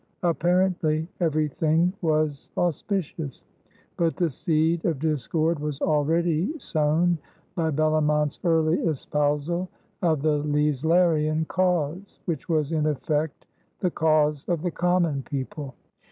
Apparently everything was auspicious; but the seed of discord was already sown by Bellomont's early espousal of the Leislerian cause, which was in effect the cause of the common people.